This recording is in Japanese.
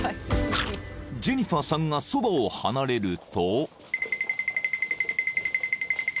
［ジェニファーさんがそばを離れると］